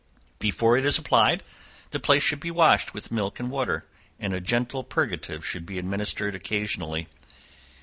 Before it is applied, the place should be washed with milk and water, and a gentle purgative should be administered occasionally.